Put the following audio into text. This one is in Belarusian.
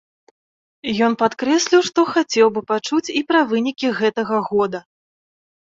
Ён падкрэсліў, што хацеў бы пачуць і пра вынікі гэтага года.